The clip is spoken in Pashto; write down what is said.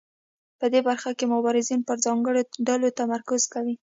په دې برخه کې مبارزین پر ځانګړو ډلو تمرکز کوي.